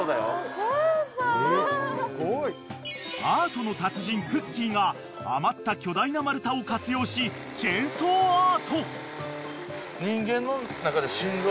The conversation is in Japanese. ［アートの達人くっきー！が余った巨大な丸太を活用しチェンソーアート］